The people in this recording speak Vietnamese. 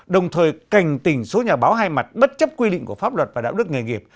đồng thời cảnh tỉnh số nhà báo hai mặt bất chấp quy định của pháp luật và đạo đức nghề nghiệp